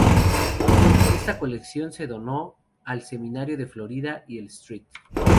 Esta colección se donó al seminario de Florida y el St.